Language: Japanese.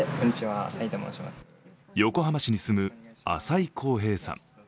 横浜市に住む浅井晃平さん。